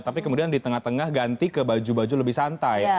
tapi kemudian di tengah tengah ganti ke baju baju lebih santai